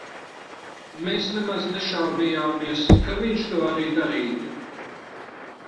Mēs nemaz nešaubījāmies, ka viņš to arī darītu.